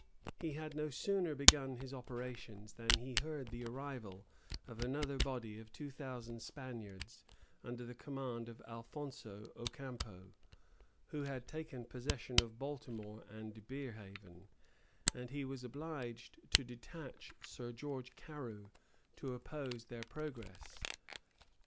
He had no sooner begun his operations than he heard of the arrival of another body of two thousand Spaniards under the command of Alphonso Ocampo, who had taken possession of Baltimore and Berehaven; and he was obliged to detach Sir George Carew to oppose their progress.